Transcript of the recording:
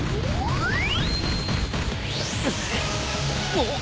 おっ。